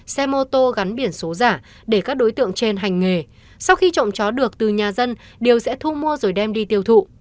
xe mô tô gắn biển số giả để các đối tượng trên hành nghề sau khi trộm chó được từ nhà dân điều sẽ thu mua rồi đem đi tiêu thụ